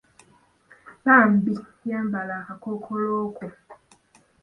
Bambi yambala akakookoolo ko.